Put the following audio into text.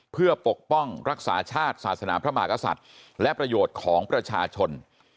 เพื่อปกป้องรักษาชาติศาสนาพระมหากษัตริย์และประโยชน์ของประชาชน